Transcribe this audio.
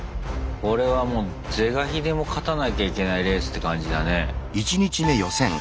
これはもう是が非でも勝たなきゃいけないレースって感じだね。